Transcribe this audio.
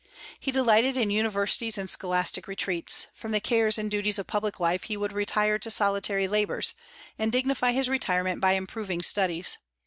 He delighted in universities and scholastic retreats; from the cares and duties of public life he would retire to solitary labors, and dignify his retirement by improving studies.